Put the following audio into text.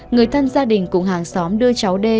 người thân gia đình cùng hàng xóm đưa cháu đê